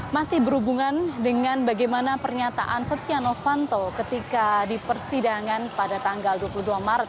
masih berhubungan dengan bagaimana pernyataan setia novanto ketika dipersidangan pada tanggal dua puluh dua maret dua ribu delapan belas